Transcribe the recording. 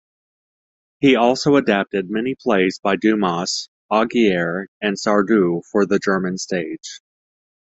He also adapted many plays by Dumas, Augier and Sardou for the German stage.